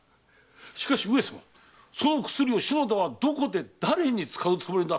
しかし上様その薬を篠田はどこで誰に使うつもりだったのでしょう？